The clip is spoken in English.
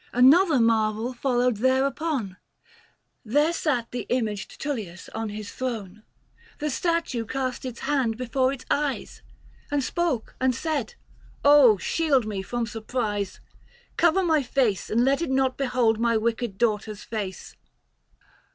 Another marvel followed thereupon : There sat the imaged Tullius on his throne ; The statue cast its hand before its eyes, And spoke and said, " shield me from surprise ! 745 Cover my face, and let it not behold My wicked daughter's face."